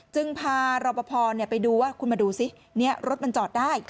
จึงพารอบพอเนี่ยไปดูว่าคุณมาดูซิเนี่ยรถมันจอดได้